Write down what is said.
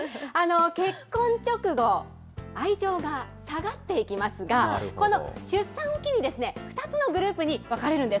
結婚直後、愛情が下がっていきますが、この出産を機に、２つのグループに分かれるんです。